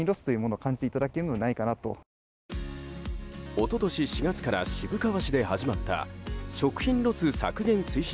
一昨年４月から渋川市で始まった食品ロス削減推進